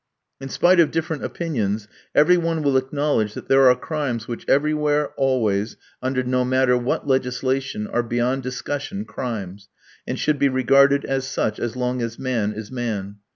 In spite of different opinions, every one will acknowledge that there are crimes which everywhere, always, under no matter what legislation, are beyond discussion crimes, and should be regarded as such as long as man is man.